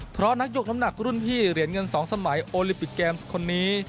เพราะนักยกน้ำหนักรุ่นพี่เหรียญเงิน๒สมัยโอลิมปิกเกมส์คนนี้